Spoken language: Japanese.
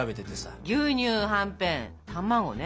牛乳はんぺん卵ね。